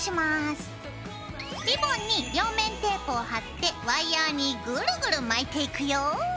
リボンに両面テープを貼ってワイヤーにぐるぐる巻いていくよ。